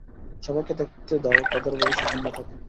সবাইকে দেখতে দাও তাদের ভবিষ্যতের নেতাকে।